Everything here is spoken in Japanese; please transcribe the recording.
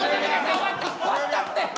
終わったって。